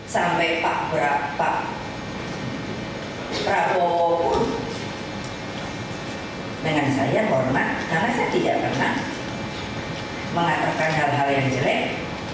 sampai pak prabowo pun dengan saya hormat karena saya tidak pernah mengatakan hal hal yang jelek